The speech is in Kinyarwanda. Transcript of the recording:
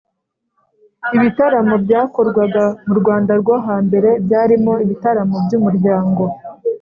Ibitaramo byakorwaga mu Rwanda rwo hambere, byarimo ibitaramo by’umuryango